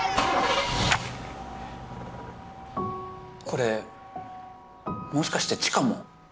これもしかして知花も？